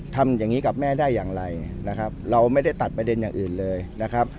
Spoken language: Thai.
ทำอย่างนี้กับแม่ได้อย่างไรนะครับเราไม่ได้ตัดประเด็นอย่างอื่นเลยนะครับ